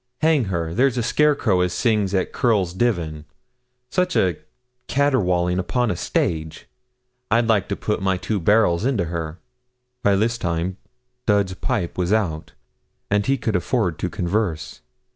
Hang her! there's a scarecrow as sings at Curl's Divan. Such a caterwauling upon a stage! I'd like to put my two barrels into her.' By this time Dud's pipe was out, and he could afford to converse.